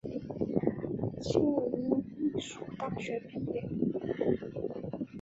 庆应义塾大学毕业。